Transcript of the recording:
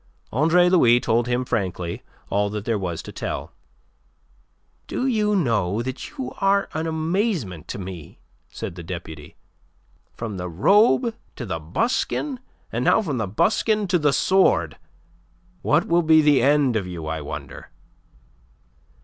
Andre Louis told him frankly all that there was to tell. "Do you know that you are an amazement to me?" said the deputy. "From the robe to the buskin, and now from the buskin to the sword! What will be the end of you, I wonder?"